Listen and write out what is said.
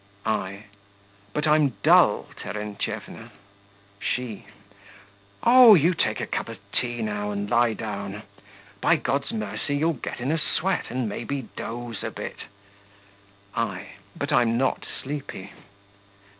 I. But I'm dull, Terentyevna. SHE. Oh, you take a cup of tea now and lie down. By God's mercy you'll get in a sweat and maybe doze a bit. I. But I'm not sleepy.